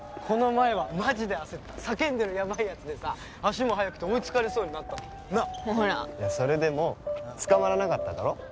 この前はマジで焦った叫んでるヤバイやつでさ足も速くて追いつかれそうになったなっほらそれでも捕まらなかっただろ？